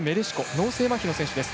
脳性まひの選手です。